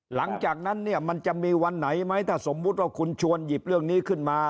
หลังจากนั้นเนี่ยมันจะมีวันไหนไหมถ้าสมมุติว่าคุณชวนหยิบเรื่องนี้ขึ้นมา